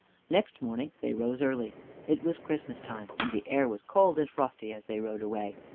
Next morning they rose early. It was Christmas time, and the air was cold and frosty as they rode away.